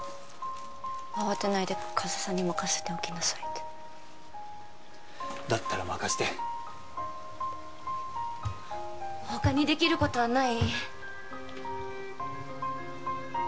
慌てないで加瀬さんに任せておきなさいってだったら任せて他にできることはない？